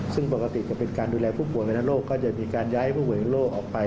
ซึ่งปกติจะเป็นการดูแลผู้ป่วยวรรณโรคก็จะมีการย้ายผู้ป่วยโรคออกไป